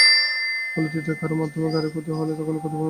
ফলে তৃতীয় কারও মাধ্যমে গাড়ির ক্ষতি হলে তখনই ক্ষতিপূরণের বিষয়টি আসে।